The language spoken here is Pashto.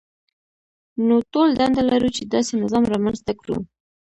نو ټول دنده لرو چې داسې نظام رامنځته کړو.